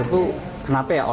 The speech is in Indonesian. terus berehat di daerah ini